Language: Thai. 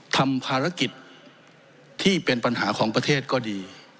ทำภารกิจที่เป็นปัญหาของประเทศก็ดี